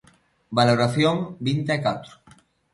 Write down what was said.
Valoración vinte e catro.